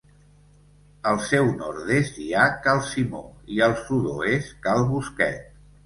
Al seu nord-est hi ha Cal Simó, i al sud-oest Cal Bosquet.